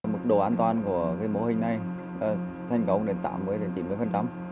mức độ an toàn của mô hình này thành công đến tám mươi đến chín mươi